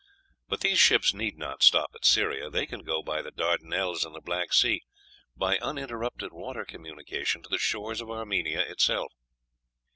But these ships need not stop at Syria, they can go by the Dardanelles and the Black Sea, by uninterrupted water communication, to the shores of Armenia itself.